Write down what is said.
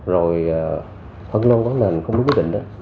rồi phân lôn có nền không đúng quyết định